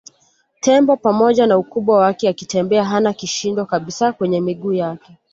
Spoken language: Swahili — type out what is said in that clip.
Tembo pamoja na ukubwa wake akitembea hana kishindo kabisa kwenye miguu yake